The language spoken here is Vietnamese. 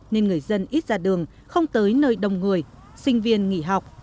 nên người dân ít ra đường không tới nơi đông người sinh viên nghỉ học